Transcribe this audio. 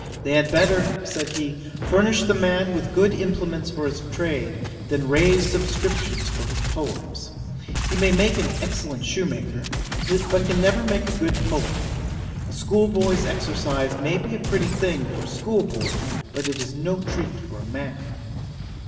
"They had better (said he,) furnish the man with good implements for his trade, than raise subscriptions for his poems. He may make an excellent shoemaker, but can never make a good poet. A school boy's exercise may be a pretty thing for a school boy; but it is no treat for a man."